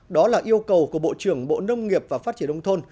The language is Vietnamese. đó là yêu cầu của bộ trưởng bộ nông nghiệp và phát triển đông thôn